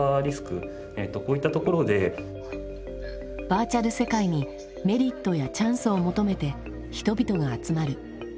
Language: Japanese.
バーチャル世界にメリットやチャンスを求めて人々が集まる。